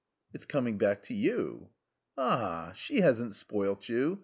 "It's coming back to you." "Ah, she hasn't spoilt you.